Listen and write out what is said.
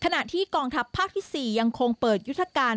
ที่กองทัพภาคที่๔ยังคงเปิดยุทธการ